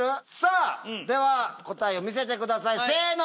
では答えを見せてくださいせの！